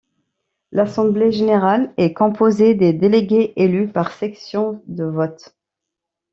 L'assemblée générale est composée des délégués élus par section de vote.